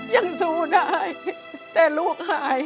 ยังสู้ได้แต่ลูกหาย